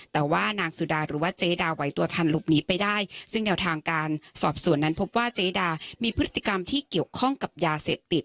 แต่ว่านางสุดาหรือว่าเจดาไหวตัวทันหลบหนีไปได้ซึ่งแนวทางการสอบสวนนั้นพบว่าเจดามีพฤติกรรมที่เกี่ยวข้องกับยาเสพติด